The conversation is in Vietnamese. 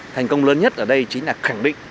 thành công lớn nhất ở đây chính là khẳng định